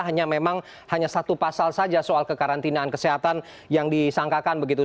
hanya memang hanya satu pasal saja soal kekarantinaan kesehatan yang disangkakan begitu